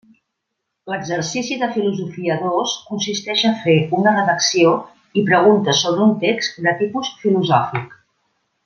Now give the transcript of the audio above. L'exercici de Filosofia dos consistix a fer una redacció i preguntes sobre un text de tipus filosòfic.